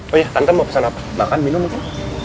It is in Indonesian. oh iya tante mau pesan apa makan minum mungkin